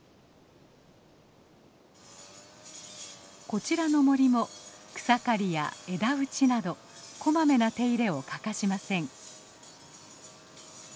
こちらの森も草刈りや枝打ちなどこまめな手入れを欠かしません。